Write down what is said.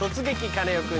カネオくん」。